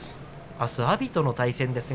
あすは阿炎との対戦です。